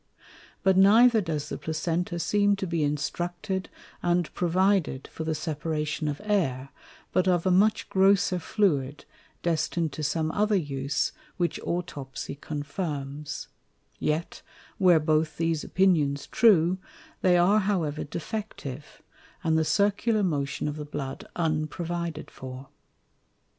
But neither does the Placenta seem to be instructed and provided for the separation of Air, but of a much grosser Fluid, destin'd to some other use, which Autopsie confirms: Yet, were both these Opinions true, they are however defective, and the Circular Motion of the Blood unprovided for.